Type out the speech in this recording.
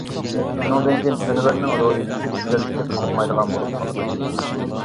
شۇنىڭدىن كېيىن ئەنۋەرنىڭ روھى چۈشۈپ، دەرسكە قىزىقمايدىغان بولۇپ قالىدۇ.